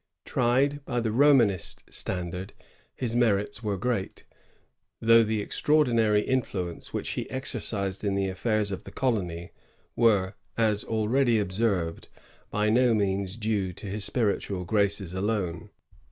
Tried by the Romanist standard, his merits were 1662 80.] LAVAL'S POSITION. 225 g^at; though the extraordinaiy influence which he exercised in the affairs of the colony were, as already observed, by no means due to his spiritual graces alone.